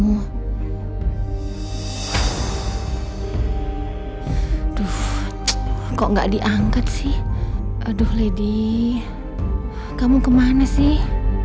aduh kok nggak diangkat sih aduh lady kamu kemana sih